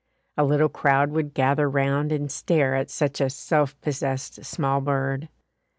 A little crowd would gather round and stare at such a self possessed small bird.